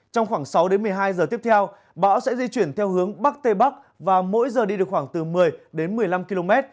trong khoảng sáu đến một mươi hai giờ tiếp theo bão sẽ di chuyển theo hướng bắc tây bắc và mỗi giờ đi được khoảng từ một mươi đến một mươi năm km